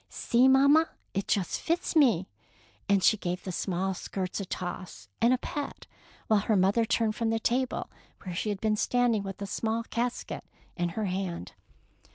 " See, mamma, it just fits me ; and she gave the small skirts a toss and a pat, while her mother turned from the table where she had been standing with a small casket in her hand.